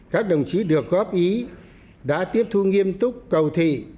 các đồng chí được góp ý đã tiếp thu nghiêm túc cầu thị